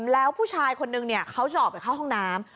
แล้วผู้ชายคนนึงเขาจะออกไปเข้าห้องน้ำ